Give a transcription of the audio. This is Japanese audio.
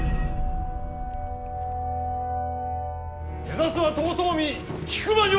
目指すは遠江引間城！